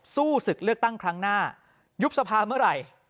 สู้ศึกเลือกตั้งครั้งหน้ายุบสภาเมื่อไหร่